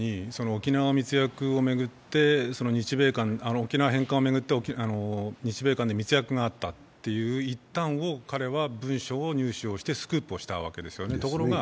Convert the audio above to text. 沖縄返還を巡って日米間で密約があったという一端を彼は文書を入手をしてスクープをしたわけですよね。